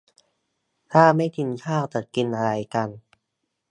ถ้าไม่กินข้าวจะกินอะไรกัน